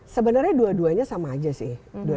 sebenarnya dua duanya sama aja sih